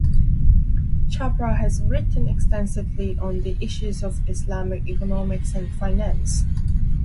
Chapra has written extensively on the issues of Islamic economics and finance.